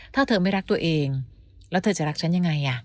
ถ้าเธอไม่รักตัวเองแล้วเธอจะรักฉันยังไง